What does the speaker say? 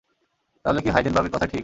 তাহলে কি হাইজেনবার্গের কথাই ঠিক।